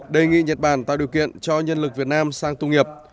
đề nghị nhật bản tạo điều kiện cho nhân lực việt nam sang tu nghiệp